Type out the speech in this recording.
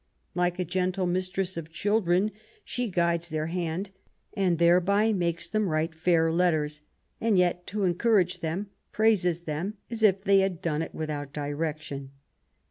Like a gentle mistress of children, she guides their hand and thereby makes them write fair letters, and yet to encourage them, praises them as if they had done it without direc tion."